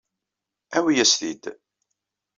Awi-as-t-id.